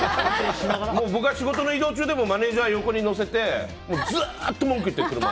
僕は仕事の移動中でもマネジャーを横に乗せてずっと文句言ってる。